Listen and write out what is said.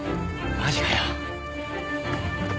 マジかよ。